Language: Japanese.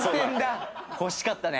惜しかったね。